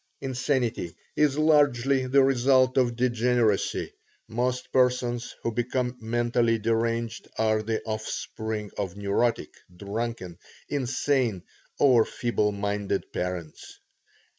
Insanity is largely the result of degeneracy. Most persons who become mentally deranged are the offspring of neurotic, drunken, insane or feeble minded parents."